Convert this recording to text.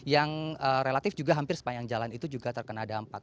yang relatif juga hampir sepanjang jalan itu juga terkena dampak